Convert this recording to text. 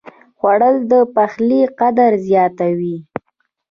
خوړل د پخلي قدر زیاتوي